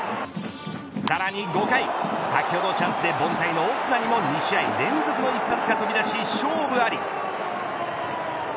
さらに５回先ほどチャンスで凡退のオスナにも２試合連続の一発が飛び出し勝負あり。